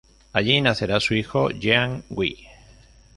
Allí nacerá su hijo Jean-Guy.